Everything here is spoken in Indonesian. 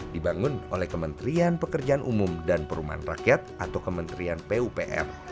dibangun oleh kementerian pekerjaan umum dan perumahan rakyat atau kementerian pupr